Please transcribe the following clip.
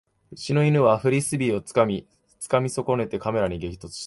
うちの犬はフリスビーをつかみ損ねてカメラに激突した